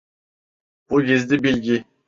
Bu gizli bilgi.